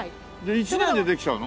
１年でできちゃうの？